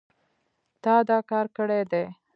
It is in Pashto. تا دا کار کړی دی